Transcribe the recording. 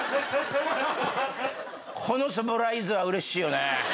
このサプライズはうれしいよね。